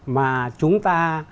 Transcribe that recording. mà chúng ta